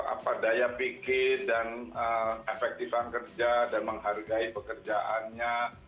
apa daya pikir dan efektifan kerja dan menghargai pekerjaannya